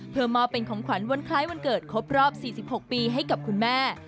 เพื่อมอบเป็นของขวัญวันคล้ายวันเกิดครบรอบ๔๖ปีให้กับคุณแม่